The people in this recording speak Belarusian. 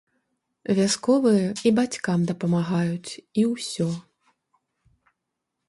Вясковыя і бацькам дапамагаюць, і ўсё.